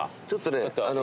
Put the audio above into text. ちょっとね